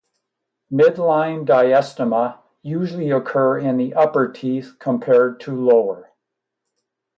Midline diastema usually occur in the upper teeth compared to lower.